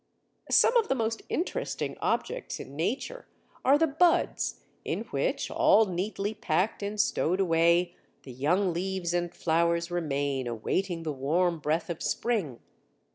Some of the most interesting objects in nature are the buds in which, all neatly packed and stowed away, the young leaves and flowers remain awaiting the warm breath of spring.